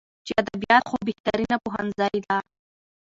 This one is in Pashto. چې ادبيات خو بهترينه پوهنځۍ ده.